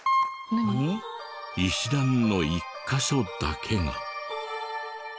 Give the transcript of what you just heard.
石段の１カ所だけが。